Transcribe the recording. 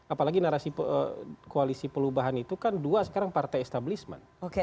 apalagi narasi koalisi perubahan itu kan dua sekarang partai establishment